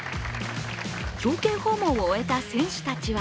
表敬訪問を終えた選手たちは